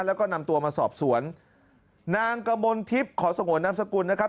แล้วก็นำตัวมาสอบสวนนางกมลทิพย์ขอสงวนนามสกุลนะครับ